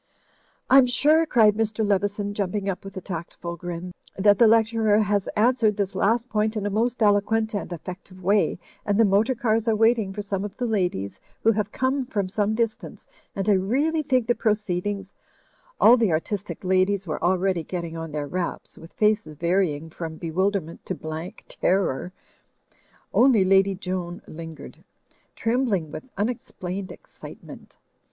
"I'm sure," cried Mr. Leveson, jumping up with a tactful grin, "that the lecturer has answered this last point in a most eloquent and effective way, and the motor cars are waiting for some of the ladies who have come from some distance, and I really think the proceedings —" All the artistic ladies were already getting on their wraps, with faces varying from bewilderment to blank terror. Only Lady Joan lingered, trembling with un 90 THE FLYING INN explained excitement.